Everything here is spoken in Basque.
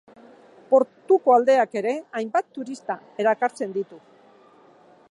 Portuko aldeak ere hainbat turista erakartzen ditu.